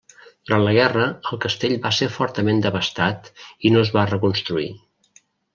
Durant la guerra el castell va ser fortament devastat i no es va reconstruir.